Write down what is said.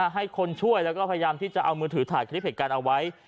ให้คนช่วยแล้วก็พยายามที่จะเอามือถือถ่ายคลิปเหตุการณ์เอาไว้